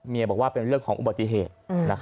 บอกว่าเป็นเรื่องของอุบัติเหตุ